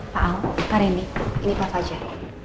pak ahok pak rendy ini pak fajar